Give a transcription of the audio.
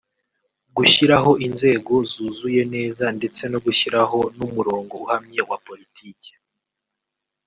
gushyiraho inzego zuzuye neza ndetse no gushyiraho n’umurongo uhamye wa politike